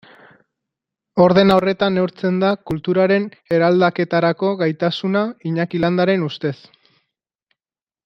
Ordena horretan neurtzen da kulturaren eraldaketarako gaitasuna Iñaki Landaren ustez.